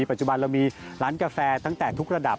ปัจจุบันเรามีร้านกาแฟตั้งแต่ทุกระดับ